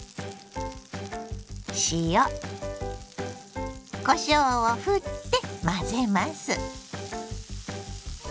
塩こしょうをふって混ぜます。